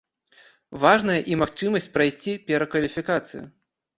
Важная і магчымасць прайсці перакваліфікацыю.